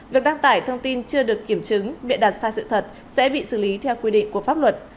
việc đăng tải thông tin chưa được kiểm chứng bị đặt sai sự thật sẽ bị xử lý theo quy định của pháp luật